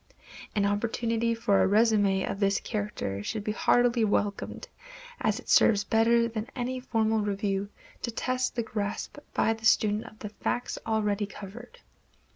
Any opportunity for a résumé of this character should be heartily welcomed, as it serves better than any formal review to test the grasp by the student of the facts already covered.